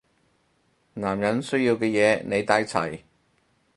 男人需要嘅嘢你帶齊